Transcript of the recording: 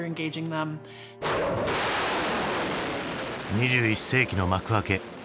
２１世紀の幕開け。